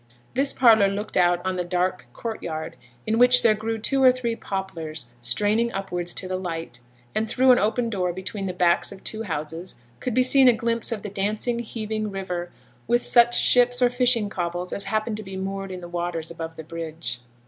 This parlour looked out on the dark courtyard in which there grew two or three poplars, straining upwards to the light; and through an open door between the backs of two houses could be seen a glimpse of the dancing, heaving river, with such ships or fishing cobles as happened to be moored in the waters above the bridge.